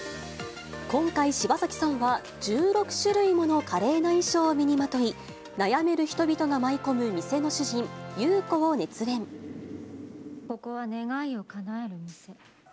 今回、柴咲さんは１６種類もの華麗な衣装を身にまとい、悩める人々が舞い込む店の主人、ここは願いをかなえるミセ。